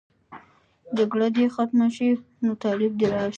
جګړه دې ختمه شي، نو طالب دې راشي.